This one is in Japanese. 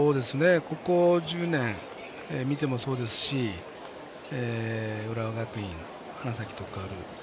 ここ１０年見てもそうですし浦和学院、花咲徳栄